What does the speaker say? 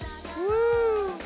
うん。